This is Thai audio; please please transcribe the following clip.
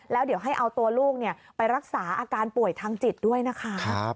แล้วเดี๋ยวให้เอาตัวลูกไปรักษาอาการป่วยทางจิตด้วยนะคะ